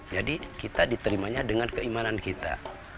jadi kita diterimanya dengan keimanan kita